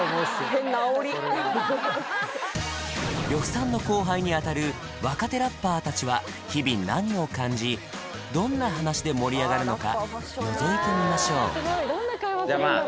変なあおり呂布さんの後輩にあたる若手ラッパー達は日々何を感じどんな話で盛り上がるのかのぞいてみましょうじゃあまあ